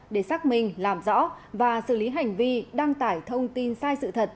để xác minh làm rõ và xử lý hành vi đăng tải thông tin sai sự thật